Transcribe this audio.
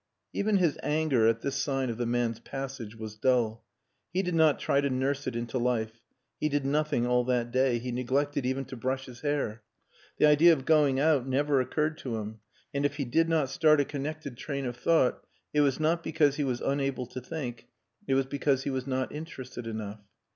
Even his anger at this sign of the man's passage was dull. He did not try to nurse it into life. He did nothing all that day; he neglected even to brush his hair. The idea of going out never occurred to him and if he did not start a connected train of thought it was not because he was unable to think. It was because he was not interested enough.